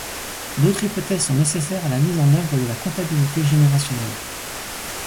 D'autres hypothèses sont nécessaires à la mise en œuvre de la comptabilité générationnelle.